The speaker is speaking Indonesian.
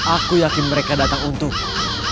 aku yakin mereka datang untuk